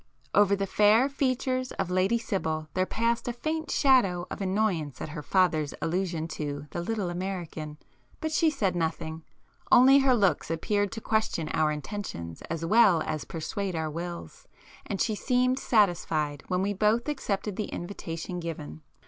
Over the fair features of Lady Sibyl there passed a faint shadow of annoyance at her father's allusion to the "little American," but she said nothing. Only her looks appeared to question our intentions as well as to persuade our wills, and she seemed satisfied when we both accepted the invitation given.